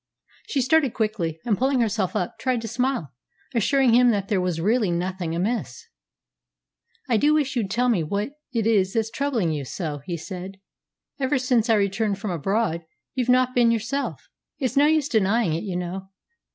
She started quickly, and, pulling herself up, tried to smile, assuring him that there was really nothing amiss. "I do wish you'd tell me what it is that's troubling you so," he said. "Ever since I returned from abroad you've not been yourself. It's no use denying it, you know."